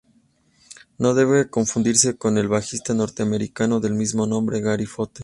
No debe confundirse con el bajista norteamericano del mismo nombre Gary Foote.